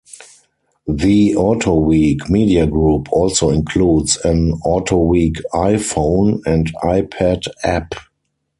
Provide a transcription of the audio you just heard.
The Autoweek Media Group also includes an "Autoweek" iPhone and iPad app.